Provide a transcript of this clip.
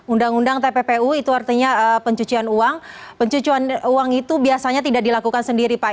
undang undang tppu itu artinya pencucian uang pencucian uang itu biasanya tidak dilakukan sendiri pak